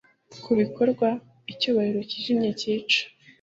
kubikorwa, icyubahiro cyijimye cyica